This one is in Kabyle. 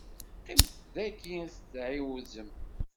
Qqimet dagi tɛiwzem.